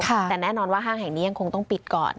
แต่แน่นอนว่าห้างแห่งนี้ยังคงต้องปิดก่อน